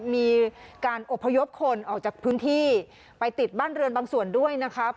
มีการอบพยพคนออกจากพื้นที่ไปติดบ้านเรือนบางส่วนด้วยนะครับ